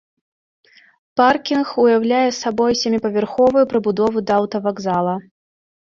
Паркінг уяўляе сабой сяміпавярховую прыбудову да аўтавакзала.